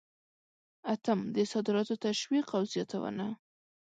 اتم: د صادراتو تشویق او زیاتونه.